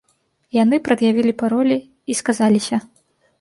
Яны прад'явілі паролі і сказаліся.